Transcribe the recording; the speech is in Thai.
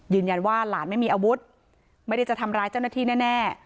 ยืนยันว่าหลานไม่มีอาวุธไม่ได้จะทำร้ายเจ้าหน้าที่แน่แน่